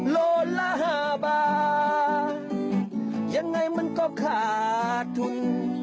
โลละห้าบาทยังไงมันก็ขาดทุน